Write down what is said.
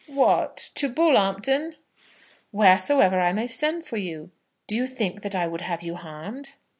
"What to Bull'ompton?" "Wheresoever I may send for you? Do you think that I would have you harmed?"